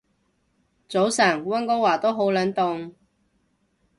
早晨，溫哥華都好冷凍